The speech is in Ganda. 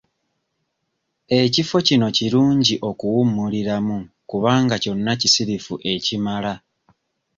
Ekifo kino kirungi okuwummuliramu kubanga kyonna kisirifu ekimala.